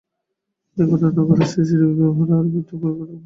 এই ঘটনা নগরে সিসিটিভির ব্যবহার আরও বৃদ্ধি করার প্রয়োজনীয়তা নির্দেশ করছে।